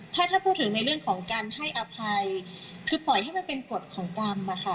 ถ้าถ้าพูดถึงในเรื่องของการให้อภัยคือปล่อยให้มันเป็นกฎของกรรมอะค่ะ